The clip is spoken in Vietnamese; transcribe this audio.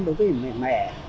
đối với mẹ mẹ